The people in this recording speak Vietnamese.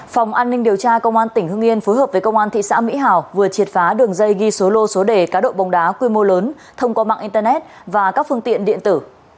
phòng an ninh điều tra công an tỉnh hương yên phối hợp với công an thị xã mỹ hào vừa triệt phá đường dây ghi số lô số đề cá độ bóng đá quy mô lớn thông qua mạng internet và các phương tiện điện tử